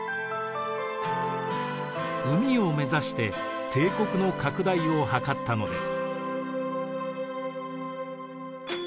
海を目指して帝国の拡大を図ったのです。